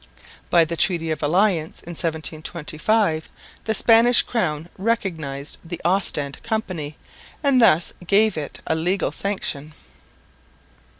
By the Treaty of Alliance in 1725 the Spanish crown recognised the Ostend Company and thus gave it a legal sanction.